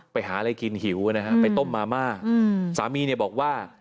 ไปหาอะไรกินหิวนะฮะไปต้มมาม่าสามีเนี่ยบอกว่า